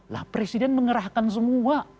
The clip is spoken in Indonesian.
nah presiden mengerahkan semua